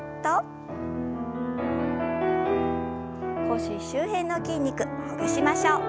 腰周辺の筋肉ほぐしましょう。